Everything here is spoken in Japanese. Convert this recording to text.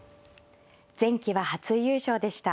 前期は初優勝でした。